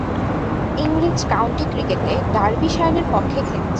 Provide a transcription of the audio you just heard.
ইংরেজ কাউন্টি ক্রিকেটে ডার্বিশায়ারের পক্ষে খেলছেন।